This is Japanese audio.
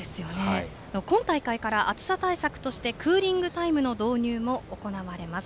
今大会から暑さ対策としてクーリングタイムの導入も行われます。